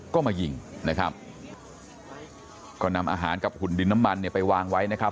ก็มายิงนะครับก็นำอาหารกับหุ่นดินน้ำมันเนี่ยไปวางไว้นะครับ